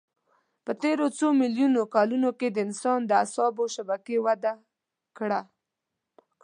په تېرو څو میلیونو کلونو کې د انسان د اعصابو شبکې وده کړه.